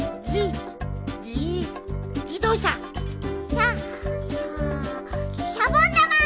シャシャシャボンだま！